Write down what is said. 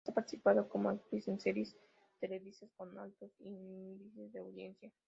Además ha participado como actriz en series televisivas con altos índices de audiencia.